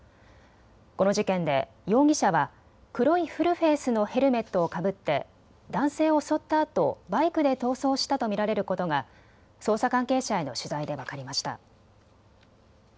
この事件で容疑者は黒いフルフェースのヘルメットをかぶって、男性を襲ったあとバイクで逃走したと見られることが捜査関係者への取材で分かりました。